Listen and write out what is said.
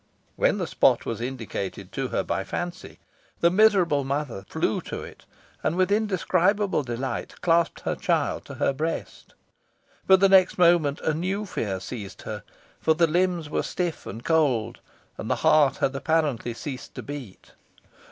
When the spot was indicated to her by Fancy, the miserable mother flew to it, and, with indescribable delight, clasped her child to her breast. But the next moment, a new fear seized her, for the limbs were stiff and cold, and the heart had apparently ceased to beat.